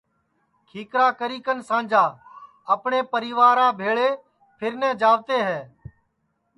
کھیکرا کری کن سانجا اپٹؔے پریوا بھیݪے پھیرنے جاوتے ہے